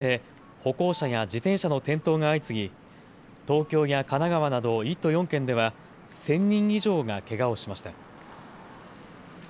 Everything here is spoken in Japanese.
それでも、きのうからきょうにかけて歩行者や自転車の転倒が相次ぎ東京や神奈川など１都４県では１０００人以上がけがをしました。